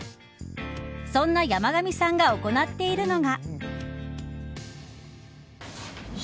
そんな山神さんが行っているのが。